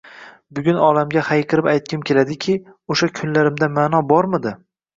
Bugun olamga hayqirib aytgim keladiki, oʻsha kunlarimda maʼno bormidi?